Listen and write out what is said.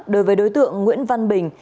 đối với đối tượng nguyễn văn bình